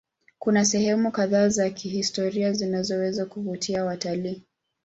Kuna sehemu kadhaa za kihistoria zinazoweza kuvutia watalii.